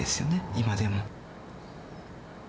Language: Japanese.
今でも。